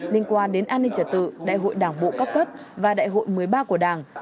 liên quan đến an ninh trật tự đại hội đảng bộ các cấp và đại hội một mươi ba của đảng